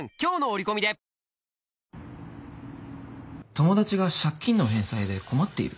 友達が借金の返済で困っている？